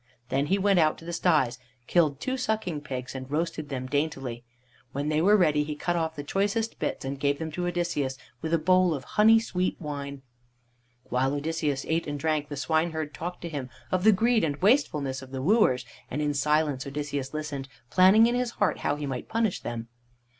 Then he went out to the sties, killed two sucking pigs, and roasted them daintily. When they were ready he cut off the choicest bits and gave them to Odysseus, with a bowl of honey sweet wine. While Odysseus ate and drank, the swineherd talked to him of the greed and wastefulness of the wooers, and in silence Odysseus listened, planning in his heart how he might punish them.